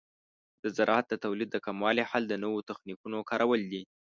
د زراعت د تولید د کموالي حل د نوو تخنیکونو کارول دي.